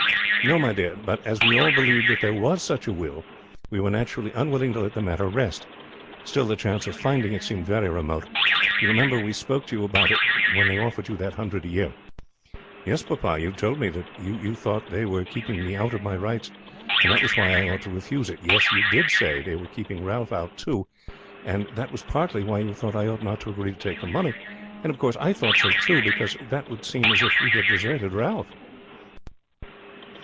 "No, my dear; but as we all believed that there was such a will, we were naturally unwilling to let the matter rest. Still, the chance of finding it seemed very remote. You remember we spoke to you about it when they offered you that hundred a year." "Yes, papa, you told me then that you thought they were keeping me out of my rights, and that was why I ought to refuse to take it. Yes, you did say they were keeping Ralph out too, and that was partly why you thought I ought not to agree to take the money; and of course I thought so too, because that would seem as if we had deserted Ralph."